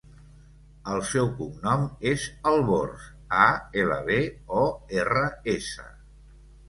El seu cognom és Albors: a, ela, be, o, erra, essa.